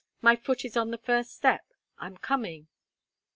My foot is on the first step. I'm coming.'